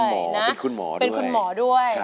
เป็นหมอเป็นคุณหมอด้วย